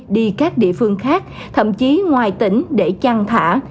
đi các địa phương khác thậm chí ngoài tỉnh để chăn thả